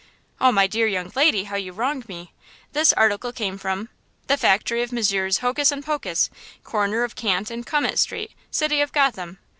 "Oh, my dear young lady, how you wrong me! This article came from–" "The factory of Messrs. Hocus & Pocus, corner of Can't and Come it Street, City of Gotham!"